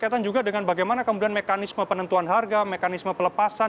kaitan juga dengan bagaimana kemudian mekanisme penentuan harga mekanisme pelepasan